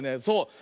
そう。